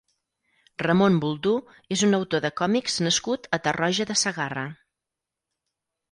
Ramón Boldú és un autor de còmics nascut a Tarroja de Segarra.